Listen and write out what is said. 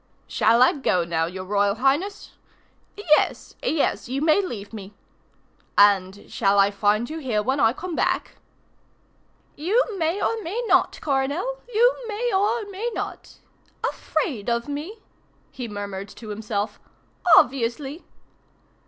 "Shall I go now, your Royal Highness?" "Yes, yes, you may leave me." "And shall I find you here when I come back?" "You may or you may not, Coronel; you may or you may not. ... Afraid of me," he murmured to himself. "Obviously."